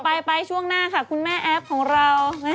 ไปช่วงหน้าค่ะคุณแม่แอฟของเรา